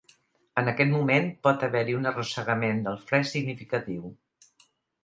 En aquest moment, pot haver-hi un arrossegament del fre significatiu.